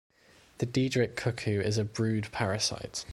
The diederik cuckoo is a brood parasite.